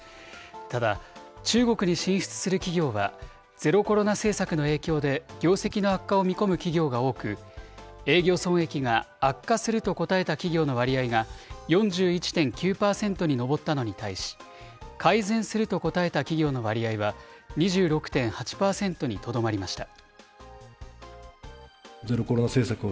ただ、中国に進出する企業は、ゼロコロナ政策の影響で業績の悪化を見込む企業が多く、営業損益が悪化すると答えた企業の割合が４１．９％に上ったのに対し、改善すると答えた企業の割合は２６．８％にとどまりました。